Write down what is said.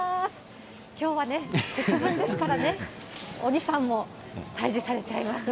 きょうはね、節分ですからね、鬼さんも退治されちゃいます。